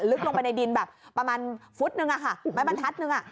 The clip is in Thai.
ลึกลงไปในดินแบบประมาณฟุตหนึ่งอ่ะค่ะแม้บันทัศน์หนึ่งอ่ะ